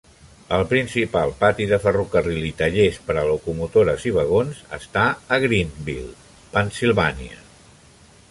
El principal pati de ferrocarril i tallers per a locomotores i vagons estan en Greenville, Pennsylvania.